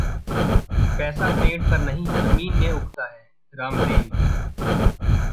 पैसा पेड़ पर नहीं, जमीन में उगता है: रामदेव